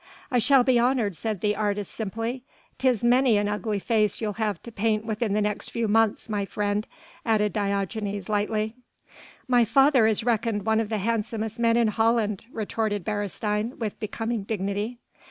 "I shall be honoured," said the artist simply. "'Tis many an ugly face you'll have to paint within the next few months, my friend," added Diogenes lightly. "My father is reckoned one of the handsomest men in Holland," retorted Beresteyn with becoming dignity.